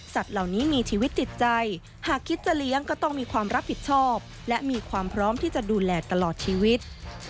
เหล่านี้มีชีวิตจิตใจหากคิดจะเลี้ยงก็ต้องมีความรับผิดชอบและมีความพร้อมที่จะดูแลตลอดชีวิต